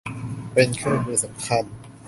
เป็นเครื่องมือสำคัญ